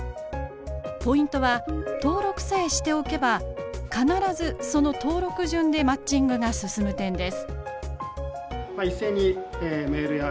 ポイントは登録さえしておけば必ずその登録順でマッチングが進む点です。